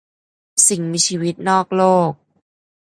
สิ่งมีชีวิตนอกโลก